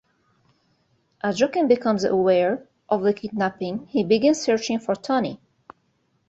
As Joakim becomes aware of the kidnapping, he begins searching for Tony.